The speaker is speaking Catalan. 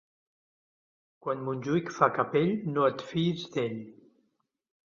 Quan Montjuïc fa capell, no et fiïs d'ell.